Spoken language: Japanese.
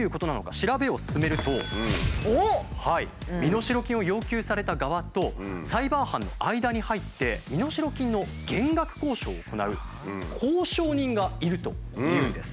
身代金を要求された側とサイバー犯の間に入って身代金の減額交渉を行う交渉人がいるというんです。